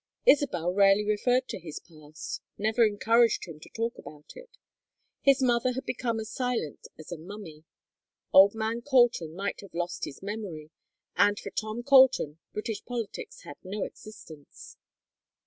Isabel rarely referred to his past, never encouraged him to talk about it. His mother had become as silent as a mummy; old man Colton might have lost his memory, and for Tom Colton British politics had no existence.